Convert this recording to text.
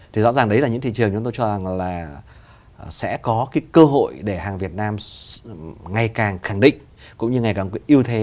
thì rõ ràng đấy là những thị trường chúng tôi cho rằng là sẽ có cái cơ hội để hàng việt nam ngày càng khẳng định cũng như ngày càng ưu thế